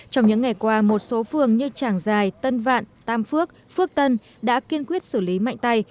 trong những ngày qua một số phường như trảng giài tân vạn tam phước phước tân đã kiên quyết xử lý mạnh tay